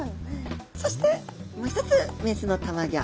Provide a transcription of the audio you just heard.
そしてもう一つ雌のたまギョ。